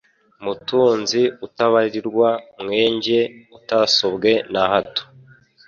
Mutunzi utabarirwa Mwenge utasobwe na hato